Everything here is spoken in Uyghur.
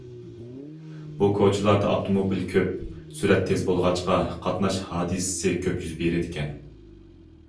بۇ كوچىلاردا ئاپتوموبىل كۆپ، سۈرئەت تېز بولغاچقا، قاتناش ھادىسىسى كۆپ يۈز بېرىدىكەن.